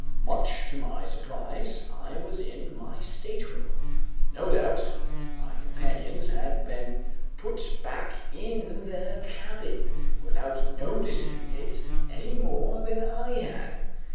Much to my surprise, I was in my stateroom. No doubt my companions had been put back in their cabin without noticing it any more than I had.